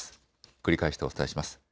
繰り返してお伝えします。